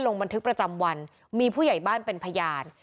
ลงบันทึกประจำวันมีผู้ใหญ่บ้านเป็นพยาน